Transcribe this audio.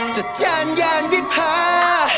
จัดจานยานวิพา